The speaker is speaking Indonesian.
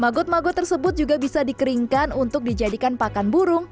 magot magot tersebut juga bisa dikeringkan untuk dijadikan pakan burung